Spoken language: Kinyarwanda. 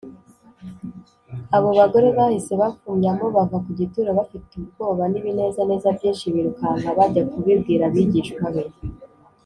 abo bagore bahise bafumyamo bava ku gituro “bafite ubwoba n’ibinezaneza byinshi, birukanka bajya kubibwira abigishwa be